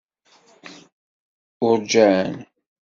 Uṛǧan.